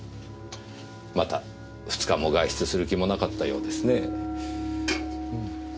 また２日も外出する気もなかったようですね。